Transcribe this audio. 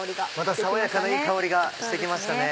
爽やかな香りがして来ましたね。